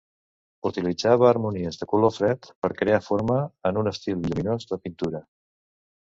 Utilitzava harmonies de color fred per crear forma en un estil lluminós de pintura.